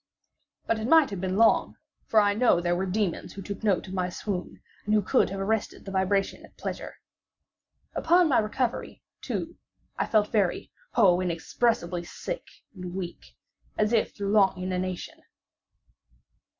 But it might have been long; for I knew there were demons who took note of my swoon, and who could have arrested the vibration at pleasure. Upon my recovery, too, I felt very—oh! inexpressibly—sick and weak, as if through long inanition.